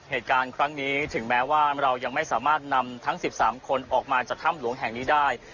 เหตุการณ์ครั้งนี้ถึงแม้ว่าเรายังไม่สามารถนำทั้ง๑๓คนออกมาจากถ้ำหลวงแห่งนี้ได้